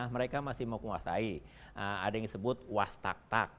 mereka masih mau kuasai ada yang disebut was tak tak